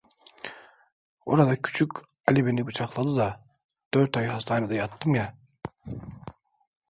Orada Küçük Ali beni bıçakladı da dört ay hastanede yattım ya!